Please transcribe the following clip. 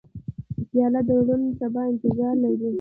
پیاله د روڼ سبا انتظار لري.